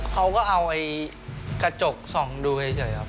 เขาก็เอากระจกส่องดูไปเฉยครับ